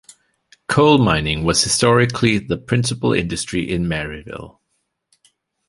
Coal mining was historically the principal industry in Maryville.